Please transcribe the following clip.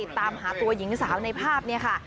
ตามหาตัวหญิงสาวในภาพนี้ค่ะ